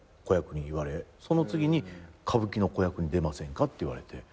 その次に歌舞伎の子役に出ませんかって言われて。